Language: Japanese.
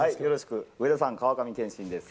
上田さん、川上憲伸です。